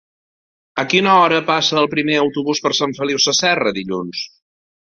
A quina hora passa el primer autobús per Sant Feliu Sasserra dilluns?